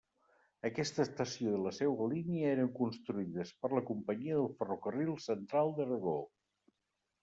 Aquesta estació i la seua línia eren construïdes per la Companyia del Ferrocarril Central d'Aragó.